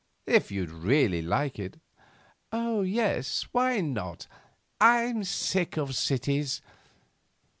'If you'd really like it.' 'Oh, yes. Why not? I'm sick of cities.